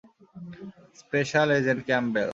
Special agent Campbell.